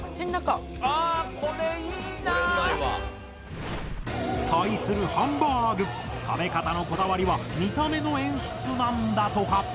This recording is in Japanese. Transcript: これうまいわ！対するハンバーグ食べかたのこだわりは見た目の演出なんだとか。